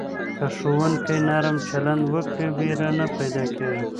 که ښوونکی نرم چلند وکړي، ویره نه پیدا کېږي.